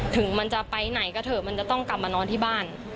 ถึงมันจะไปไหนก็เถอะมันจะต้องกลับมานอนที่บ้าน